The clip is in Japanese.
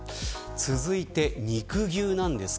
続いて肉牛です。